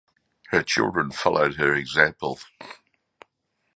Her children followed her example.